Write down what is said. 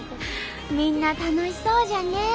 みんな楽しそうじゃね！